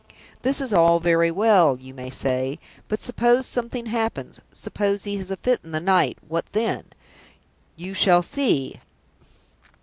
'This is all very well,' you may say; 'but suppose something happens, suppose he has a fit in the night, what then?' You shall see!